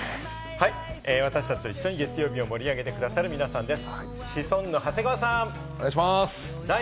私たちと一緒に月曜日を盛り上げてくださる皆さんです！